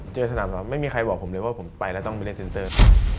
สนามไม่มีใครบอกผมเลยว่าผมไปแล้วต้องไปเล่นเซ็นเตอร์